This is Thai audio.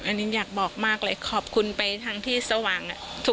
อันนี้อยากบอกมากเลยขอบคุณไปทางที่สว่าง